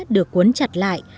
được cuốn chặt lại